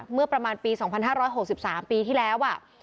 เมื่อประมาณปีสองพันห้าร้อยหกสิบสามปีที่แล้วอ่ะ